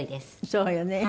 そうよね。